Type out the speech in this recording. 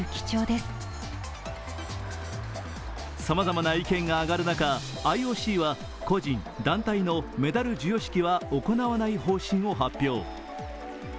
さまざまな意見が上がる中、ＩＯＣはメダル授与式は行わない方針を発表。